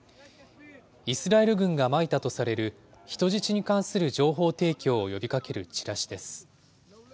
イスラエル軍がまいたとされる人質に関する情報提供を呼びかけるチラシです。